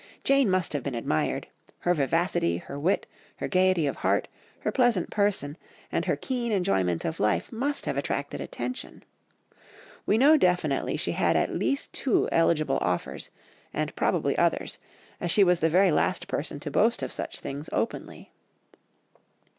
Jane must have been admired, her vivacity, her wit, her gaiety of heart, her pleasant person, and her keen enjoyment of life must have attracted attention; we know definitely she had at least two eligible offers, and probably others, as she was the very last person to boast of such things openly.